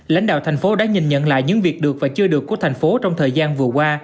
lãnh đạo thành phố đã nhìn nhận lại những việc được và chưa được của thành phố trong thời gian vừa qua